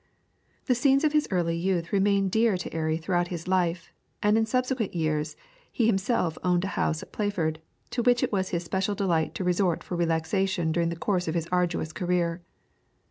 The scenes of his early youth remained dear to Airy throughout his life, and in subsequent years he himself owned a house at Playford, to which it was his special delight to resort for relaxation during the course of his arduous career.